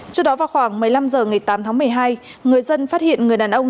trước đó vào khoảng một mươi năm h ngày tám tháng một mươi hai người dân phát hiện người đàn ông